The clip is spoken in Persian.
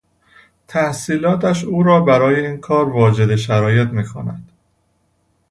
تحصیلاتش او را برای این کار واجد شرایط می کند.